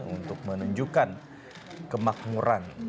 untuk menunjukkan kemakmuran